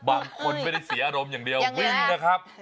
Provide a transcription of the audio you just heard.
บางคนไม่ได้เสียอารมณ์อย่างเดียววิ่งนะครับ